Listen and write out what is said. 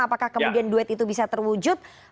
apakah kemudian duet itu bisa terwujud